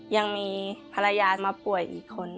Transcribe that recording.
ยังมีภรรยามาป่วยอีกคน